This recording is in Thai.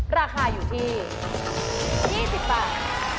ราคาอยู่ที่๒๐บาท